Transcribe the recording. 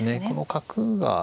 この角が。